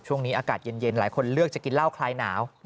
ช่วงนี้อากาศเย็นหลายคนเลือกจะกินเหล้าคลายหนาว